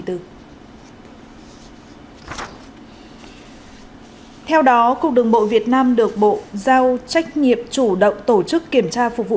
theo đó cục đường bộ việt nam được bộ giao trách nhiệm chủ động tổ chức kiểm tra phục vụ